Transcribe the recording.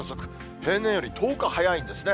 平年より１０日早いんですね。